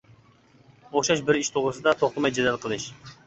ئوخشاش بىر ئىش توغرىسىدا توختىماي جېدەل قىلىش.